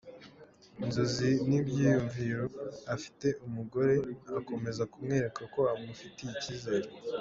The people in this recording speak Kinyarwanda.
Inzozi n’ibyuyumviro afite umugore akomeza kumwereka ko amufitiye icyizere.